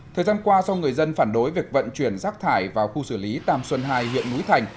thời gian qua do người dân phản đối việc vận chuyển rác thải vào khu xử lý tam xuân hai huyện núi thành